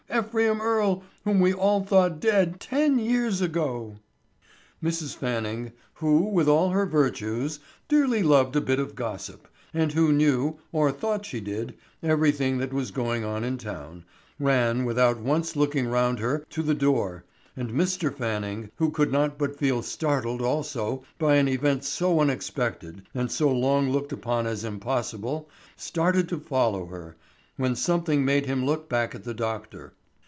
Ephraim Earle, whom we all thought dead ten years ago!" Mrs. Fanning, who with all her virtues dearly loved a bit of gossip, and who knew, or thought she did, everything that was going on in town, ran without once looking round her to the door, and Mr. Fanning, who could not but feel startled also by an event so unexpected and so long looked upon as impossible, started to follow her, when something made him look back at the doctor.